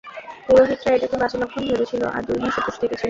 পুরোহিতরা এটাকে বাজে লক্ষণ ভেবেছিল, আর দুই মাস উপোস থেকেছিল।